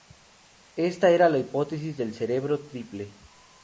Ésta era la hipótesis del cerebro triple.